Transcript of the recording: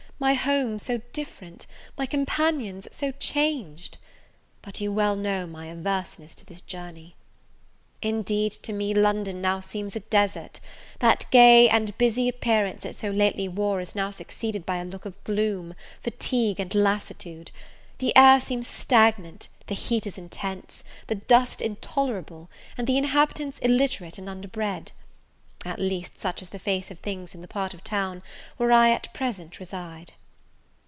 my home so different! my companions so changed! But you well know my averseness to this journey. Indeed, to me, London now seems a desert: that gay and busy appearance it so lately wore, is now succeeded by a look of gloom, fatigue, and lassitude; the air seems stagnant, the heat is intense, the dust intolerable, and the inhabitants illiterate and under bred; At least, such is the face of things in the part of town where I at present reside.